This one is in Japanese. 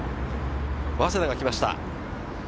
早稲田が来ました。